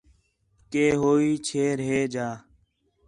کہ ہوئی چھیر ہِے جا